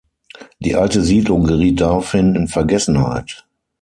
Die alte Siedlung geriet daraufhin in Vergessenheit.